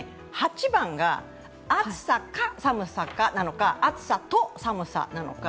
８番が暑さか寒さかなのか、暑さと寒さなのか。